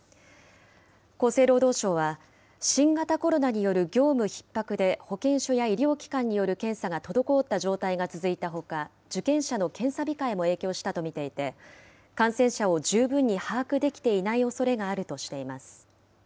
厚生労働省は新型コロナによる業務ひっ迫で、保険所や医療機関による検査が滞った状態が続いたほか、受検者の検査控えも影響したと見ていて、感染者を十分に把握できていないおそれがあるとしています。